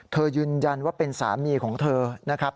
ยืนยันว่าเป็นสามีของเธอนะครับ